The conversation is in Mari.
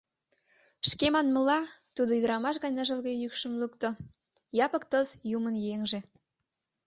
— Шке манмыла, — тудо ӱдырамаш гай ныжылге йӱкшым лукто, — Япык тос — юмын еҥже.